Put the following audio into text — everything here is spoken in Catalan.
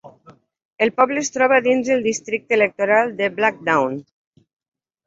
El poble es troba dins el districte electoral de Blackdown.